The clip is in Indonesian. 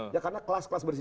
ya karena kelas kelas bersih